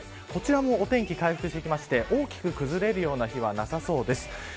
こちらもお天気回復してきて大きく崩れるような日はなさそうです。